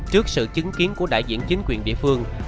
trước sự chứng kiến của đại diện chính quyền địa phương